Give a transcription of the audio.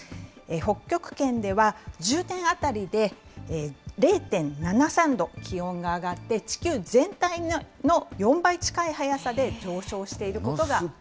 北極圏では１０年当たりで０．７３度気温が上がって、地球全体の４倍近い速さで上昇していることが分かりました。